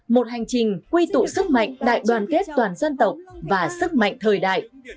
một hành trình quy tụ sức mạnh đại đoàn kết toàn dân tộc và sức mạnh thời đại